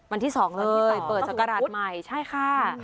วันที่๒เลยเปิดสกราชใหม่ใช่ค่ะ